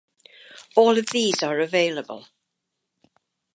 All of these are available